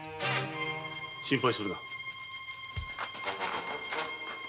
心配するな。